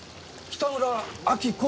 北村明子？